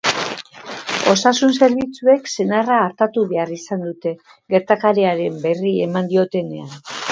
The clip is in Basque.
Osasun-zerbitzuek senarra artatu behar izan dute gertakariaren berri eman diotenean.